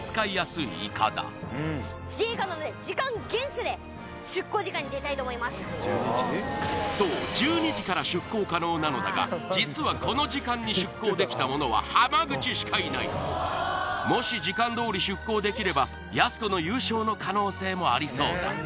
目指すはと思いますそう１２時から出航可能なのだが実はこの時間に出航できた者は濱口しかいないもし時間どおり出航できればやす子の優勝の可能性もありそうだ